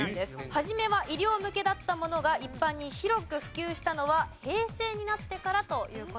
初めは医療向けだったものが一般に広く普及したのは平成になってからという事です。